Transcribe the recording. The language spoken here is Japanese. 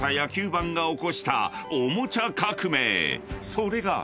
［それが］